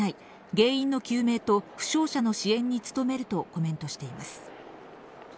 原因の究明と負傷者の支援に努めるとコメントしています。